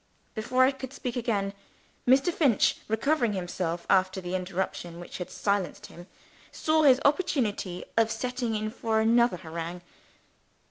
Before I could speak again, Mr. Finch, recovering himself after the interruption which had silenced him, saw his opportunity of setting in for another harangue.